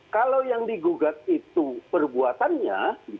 kalau yang digugat itu perbuatannya